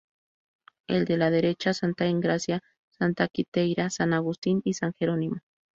En el de la derecha, Santa Engracia, Santa Quiteria, San Agustín y San Jerónimo.